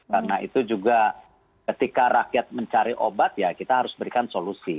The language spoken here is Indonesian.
karena itu juga ketika rakyat mencari obat ya kita harus berikan solusi